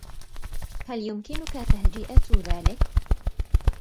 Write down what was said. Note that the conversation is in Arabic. هل يمكنك تهجئة ذلك؟